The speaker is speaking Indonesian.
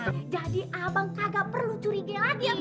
nah jadi abang kagak perlu curigai lagi